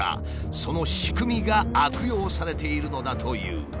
その仕組みが悪用されているのだという。